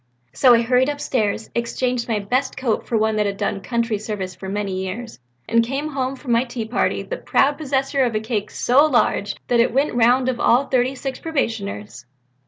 So I hurried upstairs, exchanged my best coat for one that had done country service for many years and came home from my tea party the proud possessor of a cake so large that it went the round of all the thirty six probationers."